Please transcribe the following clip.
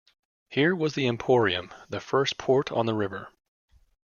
Here was the "Emporium", the first port on the river.